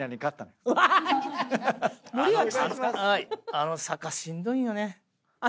あの坂しんどいんよね。